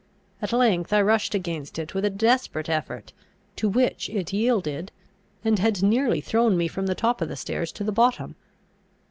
At length I rushed against it with a desperate effort, to which it yielded, and had nearly thrown me from the top of the stairs to the bottom.